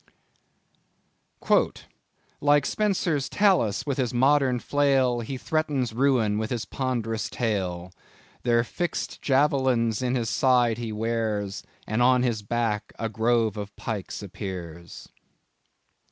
_ "Like Spencer's Talus with his modern flail He threatens ruin with his ponderous tail. ... Their fixed jav'lins in his side he wears, And on his back a grove of pikes appears."